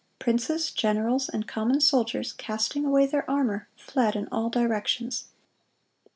Princes, generals, and common soldiers, casting away their armor, fled in all directions.